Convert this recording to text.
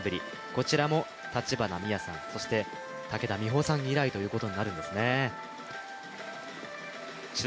こちらも立花美哉さん、そして武田美保さん以来となるんですね。